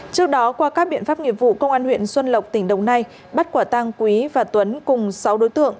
trước đó qua các biện pháp nghiệp vụ công an huyện xuân lộc tỉnh đồng nai bắt quả tang quý và tuấn cùng sáu đối tượng